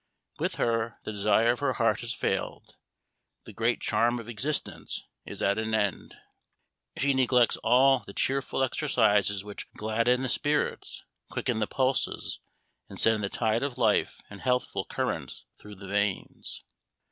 With her, the desire of her heart has failed the great charm of existence is at an end. She neglects all the cheerful exercises which gladden the spirits, quicken the pulses, and send the tide of life in healthful currents through the veins.